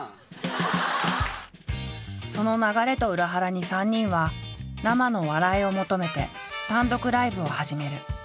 その流れと裏腹に３人は生の笑いを求めて単独ライブを始める。